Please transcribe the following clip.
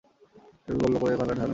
এমনি গোলমাল করিয়া কথাটা থামিয়া গেল।